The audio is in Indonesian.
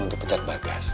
untuk pecat bagas